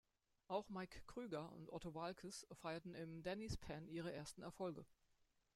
Auch Mike Krüger und Otto Waalkes feierten im „Danny’s Pan“ ihre ersten Erfolge.